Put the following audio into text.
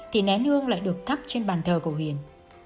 thì nén hương lại được thắp trên bàn thờ của huyền